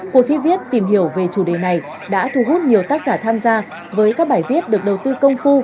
cuộc thi viết tìm hiểu về chủ đề này đã thu hút nhiều tác giả tham gia với các bài viết được đầu tư công phu